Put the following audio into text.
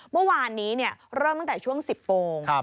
เมื่อวานนี้เริ่มตั้งแต่ช่วง๑๐โมง